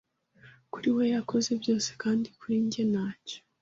Kuri we yakoze byose kandi kuri jye ntacyo